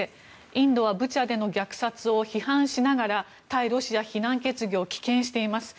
インドはブチャでの虐殺を批判しながら対ロシア非難決議を棄権しています。